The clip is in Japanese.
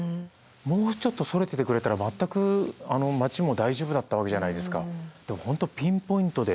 もうちょっとそれててくれたら全く町も大丈夫だったわけじゃないですか。